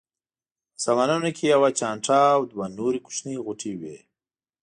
په سامانونو کې یوه چانټه او دوه نورې کوچنۍ غوټې وې.